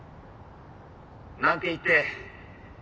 なんて言って。